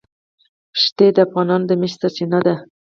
ښتې د افغانانو د معیشت سرچینه ده.